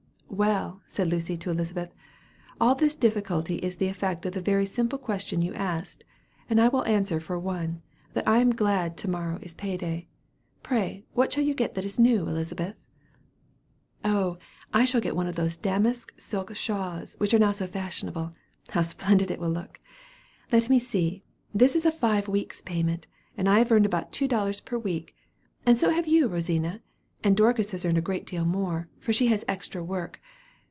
"Well," said Lucy to Elizabeth, "all this difficulty is the effect of the very simple question you asked; and I will answer for one, that I am glad to morrow is pay day. Pray what shall you get that is new, Elizabeth?" "Oh, I shall get one of those damask silk shawls which are now so fashionable. How splendid it will look! Let me see; this is a five weeks' payment, and I have earned about two dollars per week; and so have you, and Rosina; and Dorcas has earned a great deal more, for she has extra work.